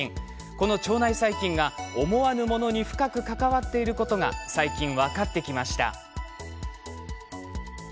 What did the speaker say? この腸内細菌が思わぬものに深く関わっていることが最近、分かってきました。